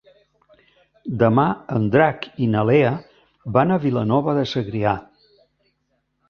Demà en Drac i na Lea van a Vilanova de Segrià.